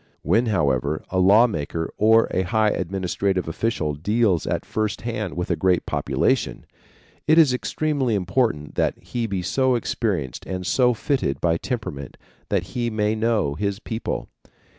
When, however, a law maker or a high administrative official deals at first hand with a great population, it is extremely important that he be so experienced and so fitted by temperament that he may know his people.